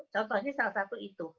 contohnya salah satu itu